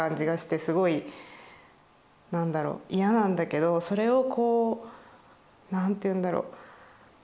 すごい何だろう嫌なんだけどそれをこう何て言うんだろ。